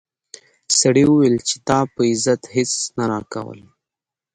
سړي وویل چې تا په عزت هیڅ نه راکول.